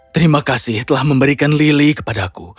terima kasih telah memberikan lily kepada aku